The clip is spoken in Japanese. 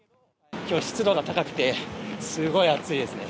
きょう、湿度が高くて、すごい暑いですね。